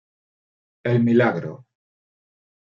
El Milagro.